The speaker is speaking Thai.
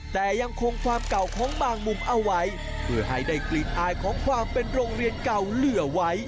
แต่ยังคงความเก่าของบางมุมเอาไว้เพื่อให้ได้กลิ่นอายของความเป็นโรงเรียนเก่าเหลือไว้